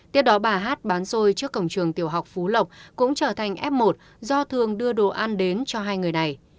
tiếp đó bà hát bán xôi trước cổng trường tiểu học phú lộc cũng trở thành f một do thường đưa đồ ăn đến cho hai người này